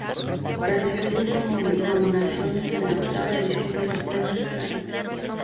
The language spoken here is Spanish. Recibió cinco nominaciones en la octava edición de los Premios Magritte.